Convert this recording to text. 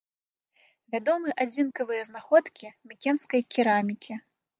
Вядомы адзінкавыя знаходкі мікенскай керамікі.